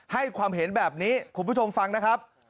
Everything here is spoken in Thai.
ให้ความเห็นแบบนี้คุณผู้ชมฟังนะครับ